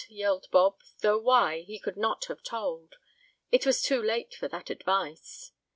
yelled Bob, though why, he could not have told. It was too late for that advice.